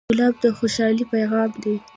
ګلاب د خوشحالۍ پیغام دی.